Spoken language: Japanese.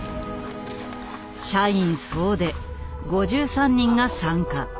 社員総出５３人が参加。